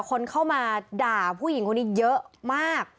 คนเข้ามาด่าผู้หญิงคนนี้เยอะมาก